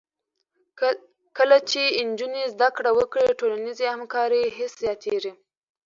کله چې نجونې زده کړه وکړي، د ټولنیزې همکارۍ حس زیاتېږي.